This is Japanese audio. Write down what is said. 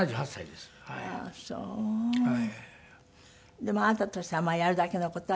でもあなたとしてはやるだけの事は。